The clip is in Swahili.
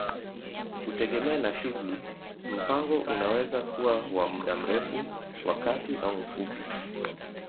Kutegemea na shughuli, mpango unaweza kuwa wa muda mrefu, wa kati au mfupi.